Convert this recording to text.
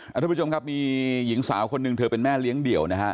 ทุกผู้ชมครับมีหญิงสาวคนหนึ่งเธอเป็นแม่เลี้ยงเดี่ยวนะฮะ